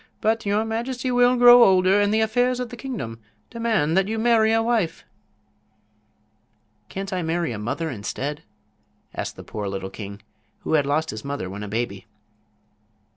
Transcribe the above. But your majesty will grow older, and the affairs of the kingdom demand that you marry a wife." "Can't I marry a mother, instead?" asked the poor little king, who had lost his mother when a baby.